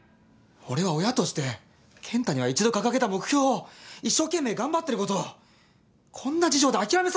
俺は親として健太には一度掲げた目標を一生懸命頑張ってることをこんな事情であきらめさせたくないんだ。